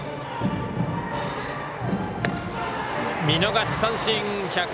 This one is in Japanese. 見逃し三振。